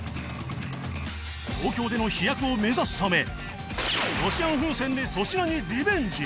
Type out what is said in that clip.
東京での飛躍を目指すためロシアン風船で粗品にリベンジ